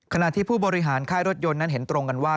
ขณะที่ผู้บริหารค่ายรถยนต์นั้นเห็นตรงกันว่า